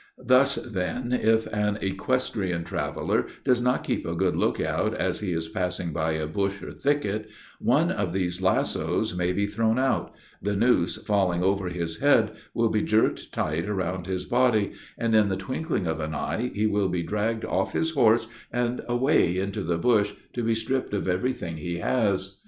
Thus, then, if an equestrian traveler does not keep a good look out as he is passing by a bush or thicket, one of these lassoes may be thrown out; the noose, falling over his head, will be jerked tight round his body, and, in the twinkling of an eye, he will be dragged off his horse, and away into the bush, to be stripped of everything he has.